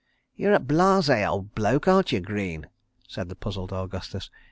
... "You're a blasé old bloke, aren't you, Greene?" said the puzzled Augustus.